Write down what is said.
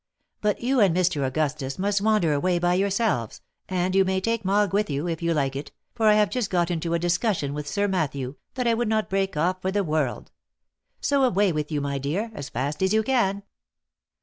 But you and Mr. Augustus must wander away by yourselves, and you may take Mogg with you, if you like it, for I have just got into a discussion with Sir Matthew, that I would not break off for the world. So away with you, my dear, as fast as you can."